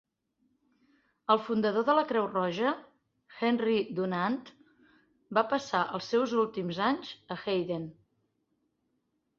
El fundador de la Creu Roja, Henry Dunant, va passar els seus últims anys a Heiden.